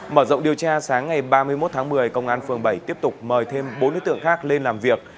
mở rộng điều tra sáng ngày ba mươi một tháng một mươi công an phường bảy tiếp tục mời thêm bốn đối tượng khác lên làm việc